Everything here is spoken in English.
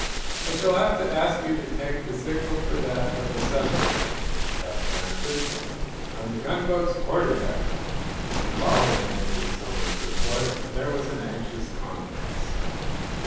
"I shall have to ask you to take the signal for that from the 'Sudbury,'" Eph answered. On the gunboat's quarter deck, following Ensign Somers's report, there was an anxious conference.